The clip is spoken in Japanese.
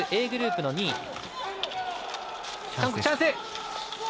Ａグループの２位。